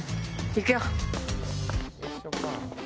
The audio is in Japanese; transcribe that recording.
行くよ。